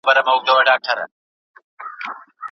ولس د خپلو حقونو غوښتنه کوي.